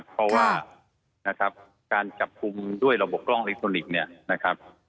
เพราะว่าการจับคุมด้วยระบบกล้องอิกโทนิกส์